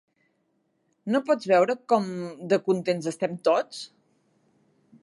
No pots veure com de contents estem tots?